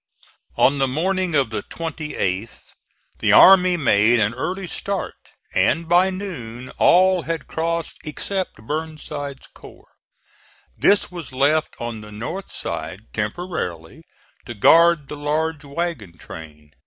On the morning of the 28th the army made an early start, and by noon all had crossed except Burnside's corps. This was left on the north side temporarily to guard the large wagon train.